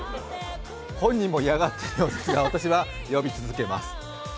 本人も嫌がっているようですが、私は呼び続けます。